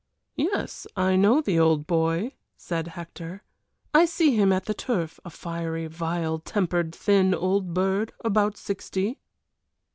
"Yes, I know the old boy," said Hector. "I see him at the turf a fiery, vile tempered, thin, old bird, about sixty."